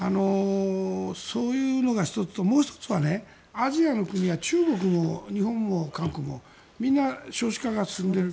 そういうのが１つともう１つはアジアも中国も日本も韓国もみんな少子化が進んでいる。